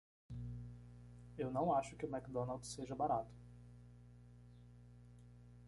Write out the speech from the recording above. Eu não acho que o McDonald's seja barato.